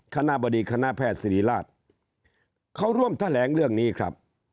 คณะบดีคณะแพทย์ศิริราชเขาร่วมแถลงเรื่องนี้ครับ